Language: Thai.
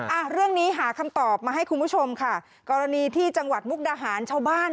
อ่ะเรื่องนี้หาคำตอบมาให้คุณผู้ชมค่ะกรณีที่จังหวัดมุกดาหารชาวบ้าน